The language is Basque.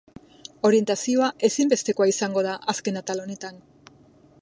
Orientazioa ezinbestekoa izango da azken atal honetan.